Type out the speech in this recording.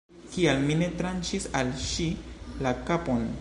Kial mi ne tranĉis al ŝi la kapon?